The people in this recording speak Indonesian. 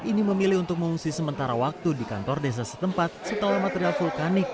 ini memilih untuk mengungsi sementara waktu di kantor desa setempat setelah material vulkanik